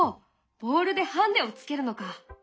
ボールでハンデをつけるのか。